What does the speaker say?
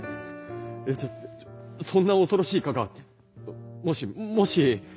えそんな恐ろしい蚊がもしもし